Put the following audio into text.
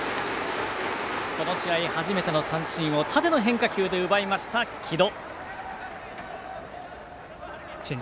この試合初めての三振を縦の変化球で奪いました城戸。